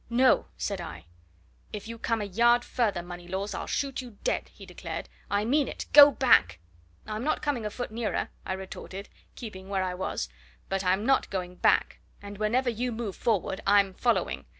"No!" said I. "If you come a yard further, Moneylaws, I'll shoot you dead!" he declared. "I mean it! Go back!" "I'm not coming a foot nearer," I retorted, keeping where I was. "But I'm not going back. And whenever you move forward, I'm following.